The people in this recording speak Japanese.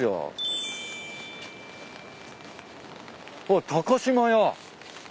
あっ高島屋。